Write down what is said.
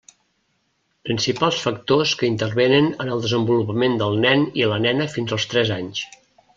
Principals factors que intervenen en el desenvolupament del nen i la nena fins als tres anys.